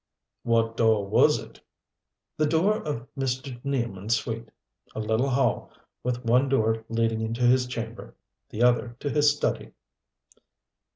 "What door was it?" "The door of Mr. Nealman's suite a little hall, with one door leading into his chamber the other to his study."